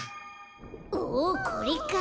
おおこれか。